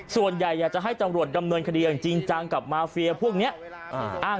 ส่วนใหญ่อยากจะให้ตำรวจดำเนินคดีอย่างจริงจังกับมาเฟียพวกนี้